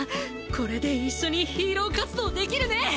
これで一緒にヒーロー活動できるね！